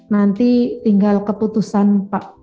nanti tinggal keputusan pak